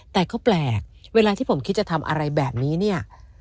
แต่ก็แปลกเวลาที่ผมคิดจะทำอะไรแบบนี้เนี่ย